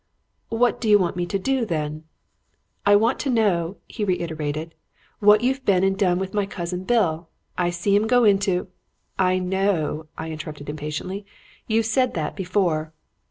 "'What do you want me to do, then?' "'I want to know,' he reiterated, 'what you've been and done with my cousin Bill. I see 'im go into ' "'I know,' I interrupted impatiently. 'You said that before.'